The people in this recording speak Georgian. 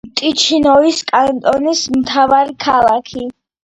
ტიჩინოს კანტონის მთავარი ქალაქი.